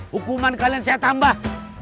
hukuman kalian saya tambah